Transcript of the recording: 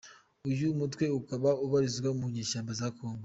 Uyu mutwe ukaba ubarizwa mu mashyamba ya kongo.